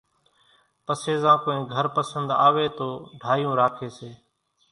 پسيَ زان ڪونئين گھر پسنۮ آويَ تو ڍايوُن راکيَ سي۔